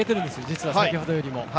実は先ほどよりも。